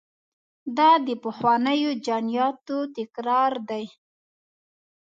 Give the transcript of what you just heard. دا د پخوانیو جنایاتو تکرار دی.